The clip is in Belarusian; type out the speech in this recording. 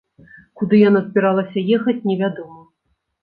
Куды яна збіралася ехаць, невядома.